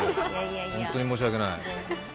本当に申し訳ない。